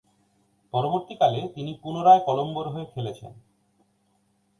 পরবর্তীকালে, তিনি পুনরায় কলম্বোর হয়ে খেলেছেন।